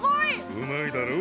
うまいだろう。